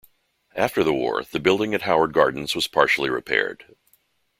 After the war the building at Howard Gardens was partially repaired.